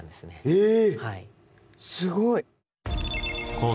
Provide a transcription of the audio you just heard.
へえ。